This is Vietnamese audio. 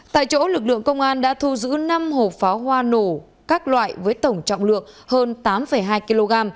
tại chỗ lực lượng công an đã thu giữ năm hộp pháo hoa nổ các loại với tổng trọng lượng hơn tám hai kg